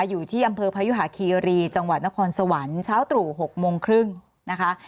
อยู่ที่อำเภอพยุหาคีรีจังหวัดนครสวรรค์เช้าตรู่๖โมงครึ่งนะคะ